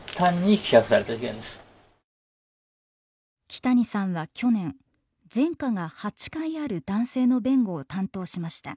木谷さんは去年前科が８回ある男性の弁護を担当しました。